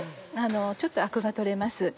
ちょっとアクが取れます。